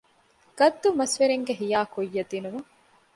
ގައްދޫ މަސްވެރިންގެ ހިޔާ ކުއްޔަށް ދިނުމަށް